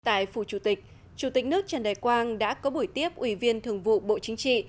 tại phủ chủ tịch chủ tịch nước trần đại quang đã có buổi tiếp ủy viên thường vụ bộ chính trị